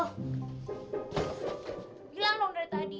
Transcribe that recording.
hilang dong dari tadi